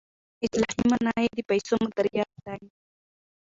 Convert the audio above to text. اصطلاحي معنی یې د پیسو مدیریت دی.